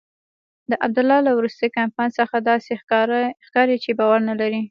د عبدالله له وروستي کمپاین څخه داسې ښکاري چې باور نلري.